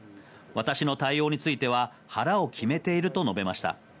私の対応については腹を決めていると述べました。